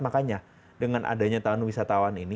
makanya dengan adanya tanaman wisatawan ini